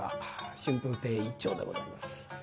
春風亭一朝でございます。